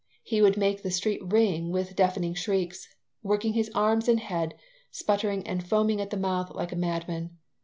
He would make the street ring with deafening shrieks, working his arms and head, sputtering and foaming at the mouth like a madman.